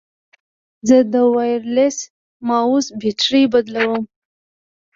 زه د وایرلیس ماؤس بیټرۍ بدلوم.